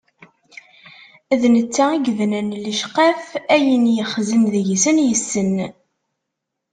D netta i yebnan lecqaf, ayen ixzen deg-sen yessen.